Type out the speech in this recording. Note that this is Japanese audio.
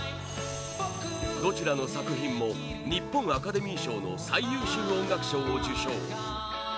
どちらの作品も日本アカデミー賞の最優秀音楽賞を受賞